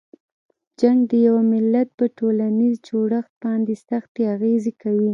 جنګ د یوه ملت په ټولنیز جوړښت باندې سختې اغیزې کوي.